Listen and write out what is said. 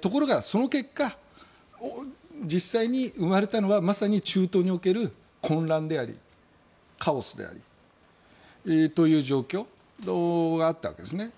ところが、その結果実際に生まれたのはまさに中東における混乱であり、カオスでありという状況があったわけですね。